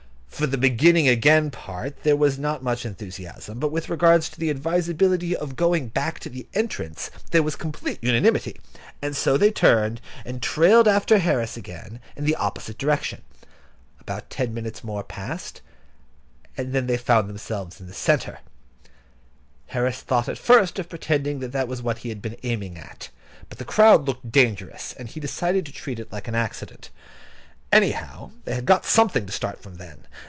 For the beginning again part of it there was not much enthusiasm; but with regard to the advisability of going back to the entrance there was complete unanimity, and so they turned, and trailed after Harris again, in the opposite direction. About ten minutes more passed, and then they found themselves in the centre. Harris thought at first of pretending that that was what he had been aiming at; but the crowd looked dangerous, and he decided to treat it as an accident. Anyhow, they had got something to start from then.